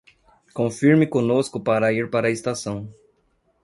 Confirme conosco para ir para a estação